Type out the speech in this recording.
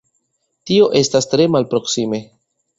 Tio estas tre malproksime.